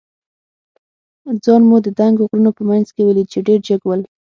ځان مو د دنګو غرونو په منځ کې ولید، چې ډېر جګ ول.